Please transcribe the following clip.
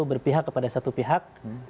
berpihak kepada satu pihak